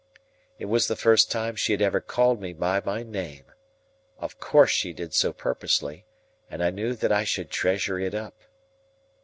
It was the first time she had ever called me by my name. Of course she did so purposely, and knew that I should treasure it up.